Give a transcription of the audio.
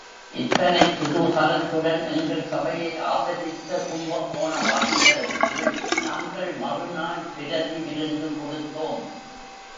இத்தனைக் குதூஹலத்துடன் எங்கள் சபையை ஆதரித்த கும்பகோணவாசிகளுக்கு, நாங்கள் மறுநாள் பிரதி விருந்து கொடுத்தோம்.